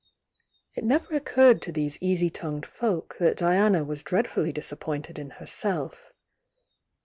It never occurred to these easy tongued folk that Diana was dreadfully disappointed in herself.